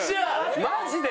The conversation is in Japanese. マジで？